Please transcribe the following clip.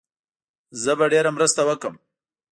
زه به ډېره مرسته وکړم.